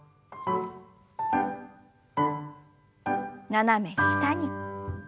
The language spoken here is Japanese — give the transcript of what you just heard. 斜め下に。